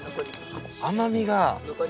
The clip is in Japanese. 甘みが？